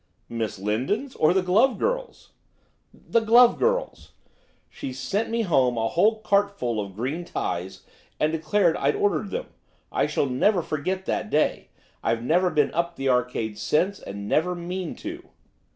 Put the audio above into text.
'Miss Lindon's? or the glove girl's?' 'The glove girl's. She sent me home a whole cartload of green ties, and declared I'd ordered them. I shall never forget that day. I've never been up the Arcade since, and never mean to.